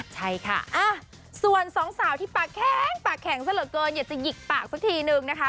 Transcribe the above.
ใช่ค่ะส่วนสองสาวที่ปากแข็งปากแข็งซะเหลือเกินอยากจะหยิกปากสักทีนึงนะคะ